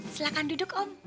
silahkan duduk om